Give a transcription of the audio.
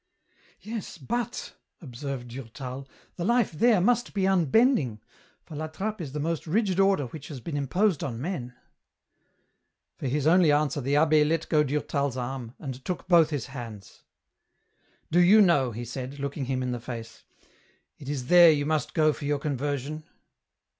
" Yes, but," observed Durtal, " the life there must be un bending, for La Trappe is the most rigid order which has been imposed on men." For his only answer the abb^ let go Durtal's arm, and took both his hands. " Do you know," he said, looking him in the face, " it is there you must go for your conversion